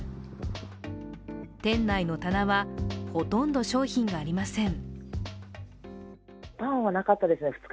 店内の棚はほとんど商品がありません。